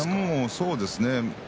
そうですね。